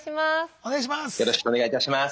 お願いします。